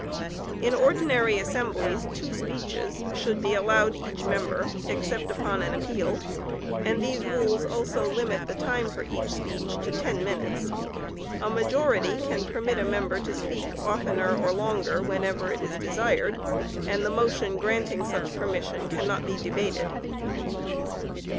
In ordinary assemblies two speeches should be allowed each member (except upon an appeal), and these rules also limit the time for each speech to ten minutes. A majority can permit a member to speak oftener or longer whenever it is desired, and the motion granting such permission cannot be debated.